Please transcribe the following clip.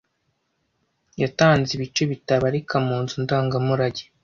Yatanze ibice bitabarika mu nzu ndangamurage.